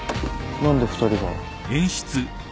何で２人が。